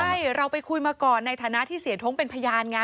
ใช่เราไปคุยมาก่อนในฐานะที่เสียท้งเป็นพยานไง